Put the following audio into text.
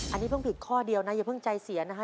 อันนี้เพิ่งผิดข้อเดียวนะอย่าเพิ่งใจเสียนะฮะ